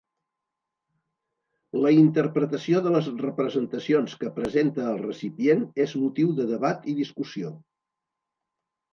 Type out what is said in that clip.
La interpretació de les representacions que presenta el recipient és motiu de debat i discussió.